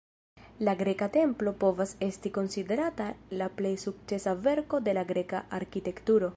La greka templo povas esti konsiderata la plej sukcesa verko de la Greka arkitekturo.